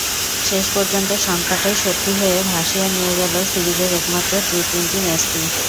শেষ পর্যন্ত শঙ্কাটাই সত্যি হয়ে ভাসিয়ে নিয়ে গেল সিরিজের একমাত্র টি-টোয়েন্টি ম্যাচটি।